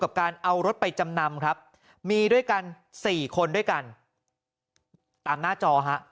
กับการเอารถไปจำนำครับมีด้วยกันสี่คนด้วยกันตามหน้าจอฮะ